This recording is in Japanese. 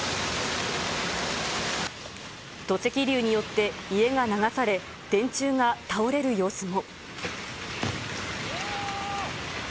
土石流によって家が流され、電柱が倒れる様子も。